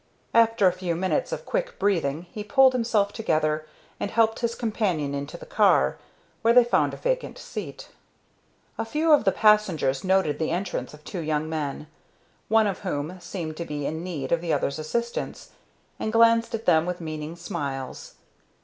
After a few minutes of quick breathing he pulled himself together and helped his companion into the car, where they found a vacant seat. A few of the passengers noted the entrance of two young men, one of whom seemed to be in need of the other's assistance, and glanced at them with meaning smiles.